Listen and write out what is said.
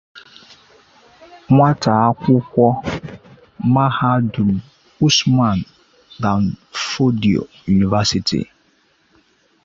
nwata akwụkwọ mahadum 'Usman Dan Fodio University